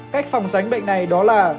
cách phòng tránh bệnh này đó là